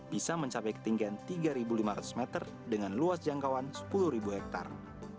bisa mencapai ketinggian tiga lima ratus meter dengan luas jangkauan sepuluh hektare